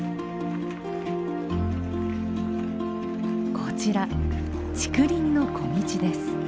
こちら竹林の小径です。